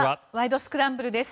スクランブル」です。